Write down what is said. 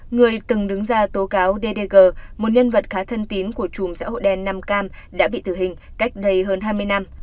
người từng đứng ra tố cáo ddg một nhân vật khá thân tím của chùm xã hội đen nam cam đã bị tử hình cách đây hơn hai mươi năm